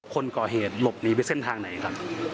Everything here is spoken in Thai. คนก่อเหตุหลบหนีไปเส้นทางไหนครับ